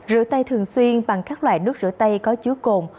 rửa tay thường xuyên bằng các loại nước rửa tay có chứa cồn